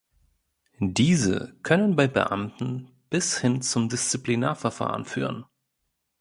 Diese können bei Beamten bis hin zum Disziplinarverfahren führen.